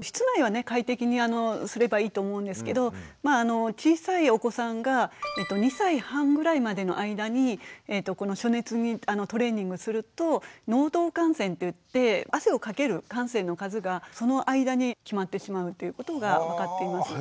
室内はね快適にすればいいと思うんですけど小さいお子さんが２歳半ぐらいまでの間に暑熱にトレーニングすると能動汗腺っていって汗をかける汗腺の数がその間に決まってしまうっていうことが分かっています。